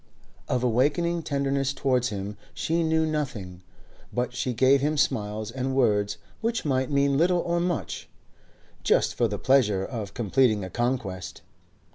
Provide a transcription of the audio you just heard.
Of awakening tenderness towards him she knew nothing, but she gave him smiles and words which might mean little or much, just for the pleasure of completing a conquest.